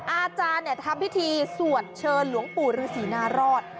อาจารย์ทำพิธีสวดเชิญหลวงปู่ฤษีนารอด